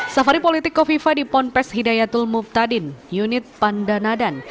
safari politik kofifa di ponpes hidayatul muftadin unit pandanadan